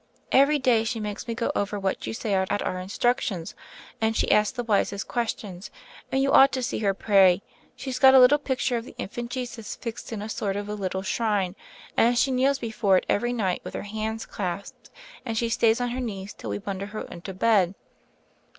Every day she makes me go over what you say at our instructions, and she asks the wisest ques tions, and you ought to see her pray ; she's got a little picture of the infant Jesus fixed in a sort of a little shrine, and she kneels before it every night with her hands clasped and she stays on her knees till we bundle her into bed.